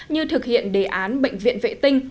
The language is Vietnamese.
như thực hiện đề án bệnh viện vệ tinh